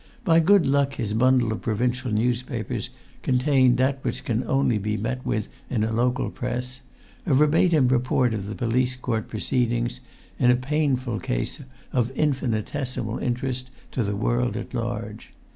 By good luck his bundle of provincial newspapers contained that which can only be met with in a local press: a verbatim report of the police court proceedings in a painful case of infinitesimal interest to the world at large.